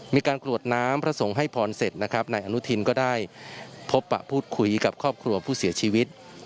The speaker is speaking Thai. กรวดน้ำพระสงฆ์ให้พรเสร็จนะครับนายอนุทินก็ได้พบปะพูดคุยกับครอบครัวผู้เสียชีวิต